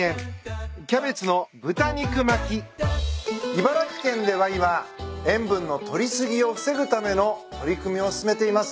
茨城県では今塩分の取り過ぎを防ぐための取り組みを進めています。